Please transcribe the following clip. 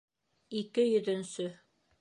Ике йөҙөнсө